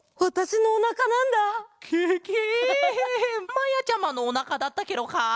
まやちゃまのおなかだったケロか？